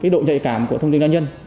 độ dạy cảm của thông tin cá nhân